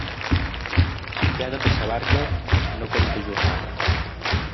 Qui ha de passar barca, no compte jornada.